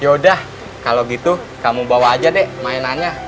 yaudah kalau gitu kamu bawa aja deh mainannya